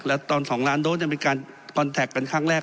และตอนสองล้านโดสเป็นการคอนแทคกันครั้งแรก